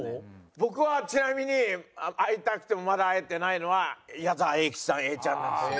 僕はちなみに会いたくてもまだ会えてないのは矢沢永吉さん永ちゃんなんですよ。